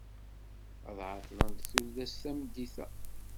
Ad ɛeṭṭlent tullas tameddit-a.